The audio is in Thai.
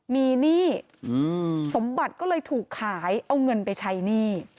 มีหนี้สมบัติก็เลยถูกขายเอาเงินไปใช้หนี้